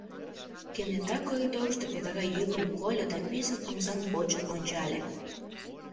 Кенета коридорышто ведра йӱкым кольо да писын омсам почын ончале.